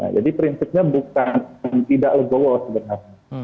jadi prinsipnya bukan tidak legowo sebenarnya